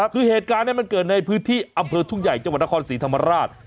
คือเหตุการณ์นี้มันเกิดในพื้นที่อำเภอทุ่งใหญ่จังหวัดนครศรีธรรมราช